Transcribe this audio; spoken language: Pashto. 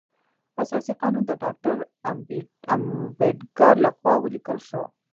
اساسي قانون د ډاکټر امبیډکر لخوا ولیکل شو.